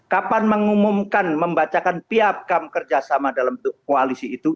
kapan mengumumkan membacakan piagam kerjasama dalam koalisi itu